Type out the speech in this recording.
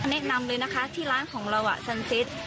แนะนำเลยนะคะที่ร้านของเราสันติ